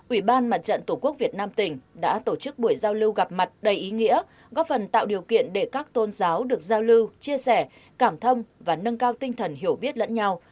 ủy ban mặt trận tổ quốc việt nam tỉnh đã tổ chức buổi giao lưu gặp mặt đầy ý nghĩa góp phần tạo điều kiện để các tôn giáo được giao lưu chia sẻ cảm thông và nâng cao tinh thần hiểu biết lẫn nhau